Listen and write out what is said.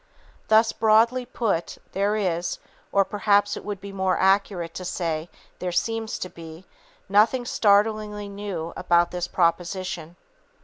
Thus broadly put, there is, or perhaps it would be more accurate to say there seems to be, nothing startlingly new about this proposition.